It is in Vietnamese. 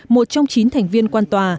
một trong chín thành viên quan tòa